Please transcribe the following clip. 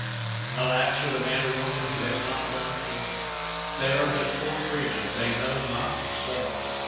Alas for the man or woman who has not learned to work! They are but poor creatures. They know not themselves.